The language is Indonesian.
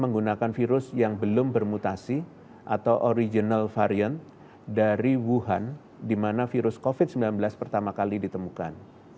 menggunakan virus yang belum bermutasi atau original variant dari wuhan di mana virus covid sembilan belas pertama kali ditemukan